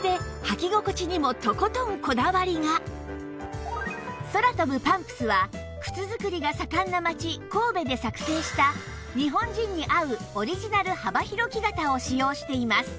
そして空飛ぶパンプスは靴作りが盛んな街神戸で作成した日本人に合うオリジナル幅広木型を使用しています